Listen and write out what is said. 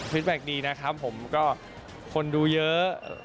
แกคดีนะครับผมก็คนดูเยอะ